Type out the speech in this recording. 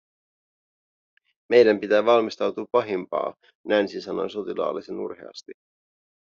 "Meidän pitää valmistautuu pahimpaa", Nancy sanoi sotilaallisen urheasti.